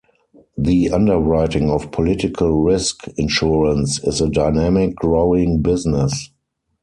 The underwriting of political risk insurance is a dynamic, growing business.